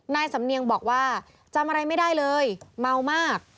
นายสำเนียงบอกว่าจำอะไรไม่ได้เลยเมามาก